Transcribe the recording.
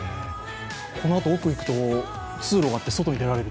このあと、奥行くと通路があって外に出られる。